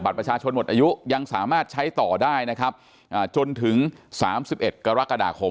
ประชาชนหมดอายุยังสามารถใช้ต่อได้นะครับจนถึง๓๑กรกฎาคม